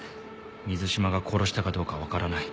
水島が殺したかどうか分からない。